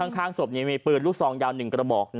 ข้างศพนี้มีปืนลูกซองยาว๑กระบอก